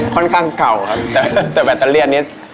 ค่อนข้างเก่าครับแต่แบตเตอเลียนนี้